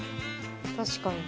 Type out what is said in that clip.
確かに。